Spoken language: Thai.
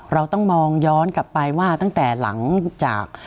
เราต้องมองย้อนกลับไปว่าตั้งแต่หลังจาก